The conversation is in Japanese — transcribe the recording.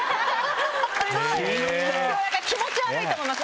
気持ち悪いと思います